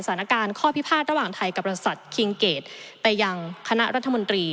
สถานการณ์ข้อพิพาทระหว่างไทยกับบริษัทคิงเกดไปยังคณะรัฐมนตรี